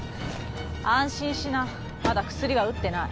安心しなまだ薬は打ってない。